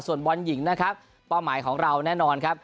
ส่วนบอลหญิงนะครับเป้าหมายของเราแน่นอนครับ